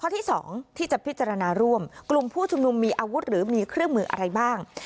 ที่๒ที่จะพิจารณาร่วมกลุ่มผู้ชุมนุมมีอาวุธหรือมีเครื่องมืออะไรบ้าง